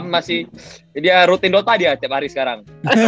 masih dia rutin dota dia setiap hari sekarang